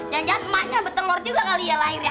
jangan jangan emaknya bertelur juga kali ya lahirnya